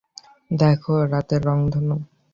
দেখো, রাতের রংধনু।